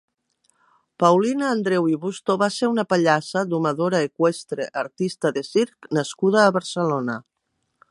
Paulina Andreu i Busto va ser una pallassa, domadora eqüestre, artista de circ nascuda a Barcelona.